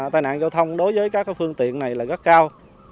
tai nạn giao thông đối với các phương tiện này là rất cao